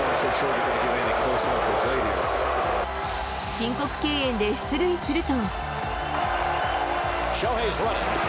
申告敬遠で出塁すると。